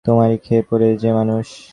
তোমারই খেয়ে-পরে যে মানুষ।